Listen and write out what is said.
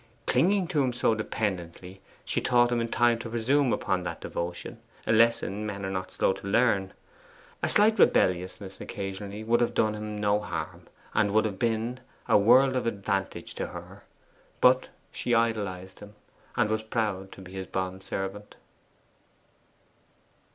Clinging to him so dependently, she taught him in time to presume upon that devotion a lesson men are not slow to learn. A slight rebelliousness occasionally would have done him no harm, and would have been a world of advantage to her. But she idolized him, and was proud to be his bond servant.